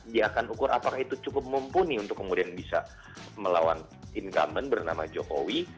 dia akan ukur apakah itu cukup mumpuni untuk kemudian bisa melawan incumbent bernama jokowi